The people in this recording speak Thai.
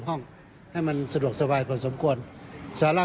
ช่วยให้สามารถสัมผัสถึงความเศร้าต่อการระลึกถึงผู้ที่จากไป